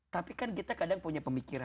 tapi kan kita kadang punya pemikiran